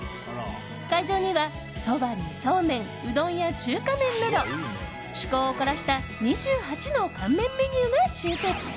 会場には、そばにそうめんうどんや中華麺など趣向を凝らした２８の乾麺メニューが集結。